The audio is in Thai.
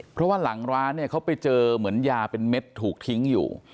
เพราะว่าหลังร้านเนี่ยเขาไปเจอเหมือนยาเป็นเม็ดถูกทิ้งอยู่